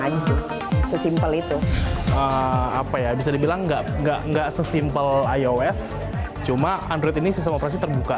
aja sih sesimpel itu bisa dibilang nggak sesimpel ios cuma android ini sistem operasi terbuka